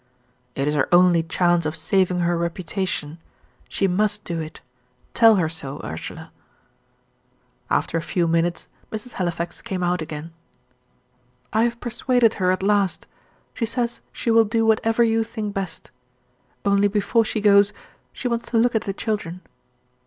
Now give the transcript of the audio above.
"It is her only chance of saving her reputation. She must do it. Tell her so, Ursula." After a few minutes, Mrs. Halifax came out again. "I have persuaded her at last. She says she will do whatever you think best. Only before she goes, she wants to look at the children.